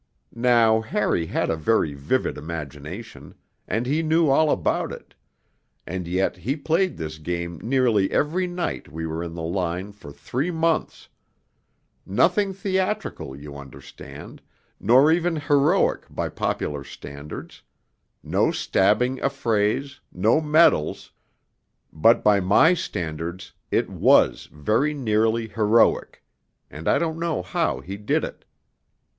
Now Harry had a very vivid imagination, and he knew all about it and yet he played this game nearly every night we were in the line for three months ... nothing theatrical, you understand, nor even heroic by popular standards, no stabbing affrays, no medals ... but by my standards it was very nearly heroic, and I don't know how he did it.